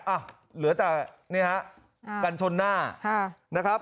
อ่ะเหลือแต่นี่ฮะกันชนหน้านะครับ